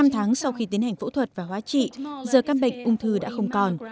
năm tháng sau khi tiến hành phẫu thuật và hóa trị giờ các bệnh ung thư đã không còn